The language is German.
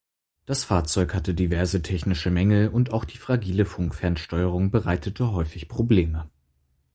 Das Fahrzeug hatte diverse technische Mängel und auch die fragile Funkfernsteuerung bereitete häufig Probleme.